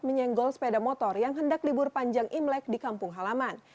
menyenggol sepeda motor yang hendak libur panjang imlek di kampung halaman